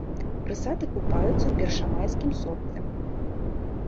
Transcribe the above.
Прысады купаюцца ў першамайскім сопцы.